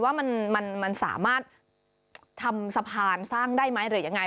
ว่ามันสามารถทำสะพานสร้างได้ไหมหรือยังไง